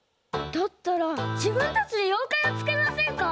だったらじぶんたちでようかいをつくりませんか？